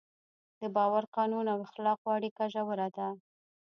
د باور، قانون او اخلاقو اړیکه ژوره ده.